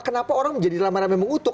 kenapa orang menjadi lama lama mengutuk